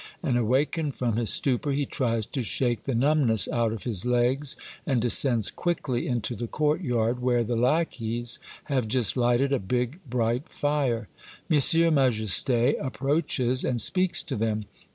And, awakened from his stupor, he tries to shake the numbness out of his legs, and descends quickly into the courtyard, where the lackeys have just lighted a big, bright fire. M. Majeste approaches and speaks to them.